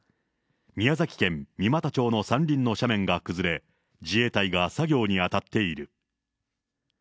宮崎県三股町の山林の斜面が崩れ、自衛隊が作業に当たっている。